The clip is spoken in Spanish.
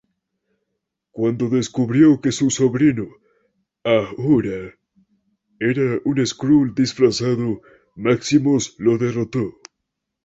Cuando descubrió que su sobrino Ahura era un Skrull disfrazado, Maximus lo derrotó.